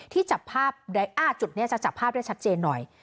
ที่จับภาพจุดนี้จะจับภาพได้ชัดเจนหน่อย